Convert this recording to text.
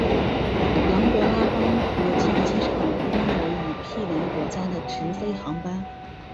琅勃拉邦国际机场拥有与毗邻国家的直飞航班。